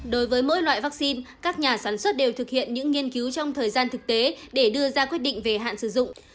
đối với mỗi loại vaccine các nhà sản xuất đều thực hiện những nghiên cứu trong thời gian thực tế để đưa ra quyết định về hạn sử dụng